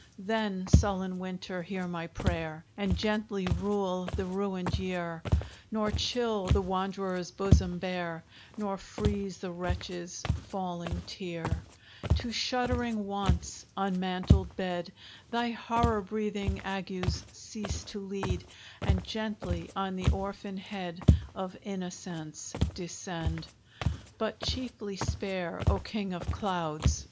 Then, sullen Winter, hear my prayer, And gently rule the ruined year; Nor chill the wanderer's bosom bare, Nor freeze the wretch's falling tear; To shuddering Want's unmantled bed Thy horror breathing agues cease to lead, And gently on the orphan head Of innocence descend, But chiefly spare, O king of clouds!